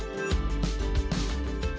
ketepian layar perangkat iphone x